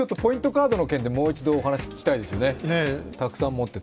カードの件でもう一度お話聞きたいですよね。